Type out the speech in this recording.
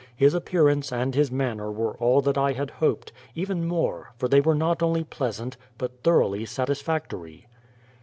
His appearance and his manner were all that I had hoped even more, for they were not only pleasant but thoroughly satisfactory.